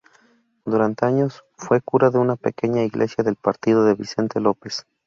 Durante años fue cura de una pequeña iglesia del partido de Vicente López.